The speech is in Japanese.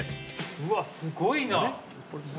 うわあ、すごいな。